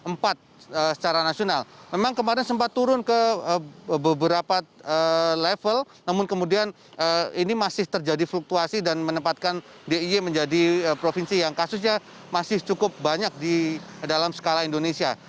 empat secara nasional memang kemarin sempat turun ke beberapa level namun kemudian ini masih terjadi fluktuasi dan menempatkan d i e menjadi provinsi yang kasusnya masih cukup banyak di dalam skala indonesia